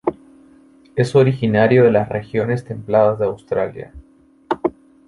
Es originario de las regiones templadas de Australia.